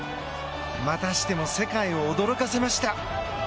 またしても世界を驚かせました！